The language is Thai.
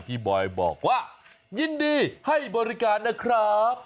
บอยบอกว่ายินดีให้บริการนะครับ